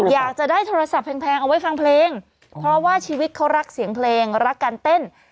อยากจะได้โทรศัพท์แพงเอาไว้ฟังเพลงเพราะว่าชีวิตเขารักเสียงเพลงรักการเต้น